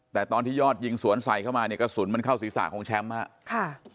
แต่ตอนที่ยอดยิงสวนใส่เข้ามาเนี่ยกระสุนมันเข้าศีรษะของแชมป์ฮะค่ะ